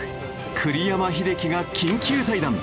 栗山英樹が緊急対談！